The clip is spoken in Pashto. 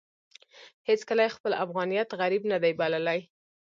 هېڅکله يې خپل افغانيت غريب نه دی بللی.